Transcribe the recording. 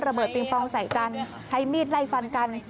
เบิงปองใส่กันใช้มีดไล่ฟันกัน